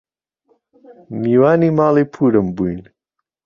میوانی ماڵی پوورم بووین